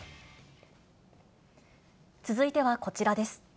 続いてはこちらです。